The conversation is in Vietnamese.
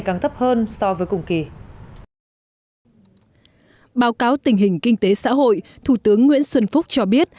càng thấp hơn so với cùng kỳ báo cáo tình hình kinh tế xã hội thủ tướng nguyễn xuân phúc cho biết